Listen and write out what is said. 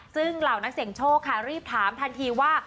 ซึ่งเหล่านักเสียงโชคค่ะรีบถามทันทีว่า